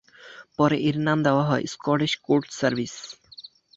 পরে এর নাম দেওয়া হয় স্কটিশ কোর্ট সার্ভিস।